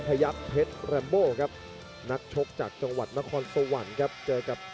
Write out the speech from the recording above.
จะรับมือเต็งยูฮังกับจักรจีน๗๓กิโลกรัม